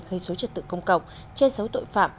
gây dối trật tự công cộng che giấu tội phạm